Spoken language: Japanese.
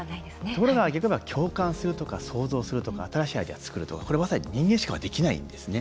ところが逆に言えば共感するとか想像するとか新しいアイデアを作るとかこれは、まさに人間しかできないんですね。